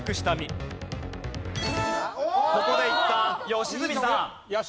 ここでいった良純さん。